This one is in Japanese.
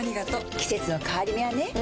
季節の変わり目はねうん。